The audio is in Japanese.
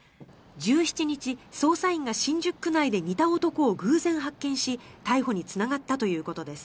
１７日、捜査員が新宿区内で似た男を偶然発見し逮捕につながったということです。